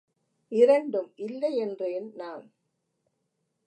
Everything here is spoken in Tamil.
இரண்டும் இல்லை என்றேன் நான்.